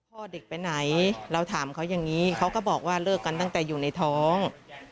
พ่อเด็กไปไหนเราถามเขาอย่างนี้เขาก็บอกว่าเลิกกันตั้งแต่อยู่ในท้อง